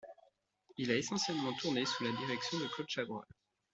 Il a essentiellement tourné sous la direction de Claude Chabrol.